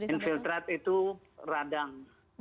infiltrat itu radang